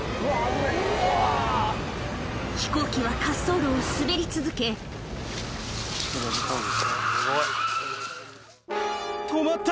飛行機は滑走路を滑り続け止まった！